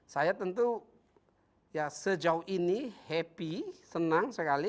saya tentu ya sejauh ini happy senang sekali